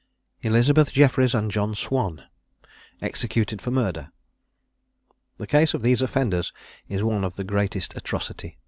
ELIZABETH JEFFRIES AND JOHN SWAN. EXECUTED FOR MURDER. The case of these offenders is one of the greatest atrocity.